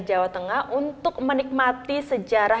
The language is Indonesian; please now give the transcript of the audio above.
jawa tengah untuk menikmati sejarah